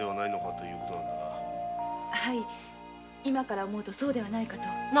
はい今から思うとそうではないかと。